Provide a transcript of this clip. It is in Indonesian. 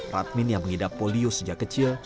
radmin yang mengidap polio sejak kecil